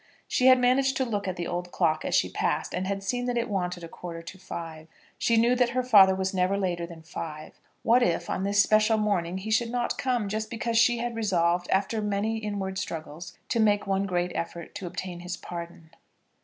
She had managed to look at the old clock as she passed, and had seen that it wanted a quarter to five. She knew that her father was never later than five. What, if on this special morning he should not come, just because she had resolved, after many inward struggles, to make one great effort to obtain his pardon.